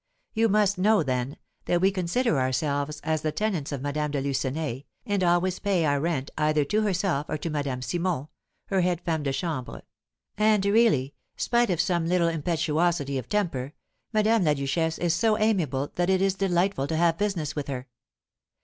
You must know, then, that we consider ourselves as the tenants of Madame de Lucenay, and always pay our rent either to herself or to Madame Simon, her head femme de chambre; and, really, spite of some little impetuosity of temper, Madame la Duchesse is so amiable that it is delightful to have business with her.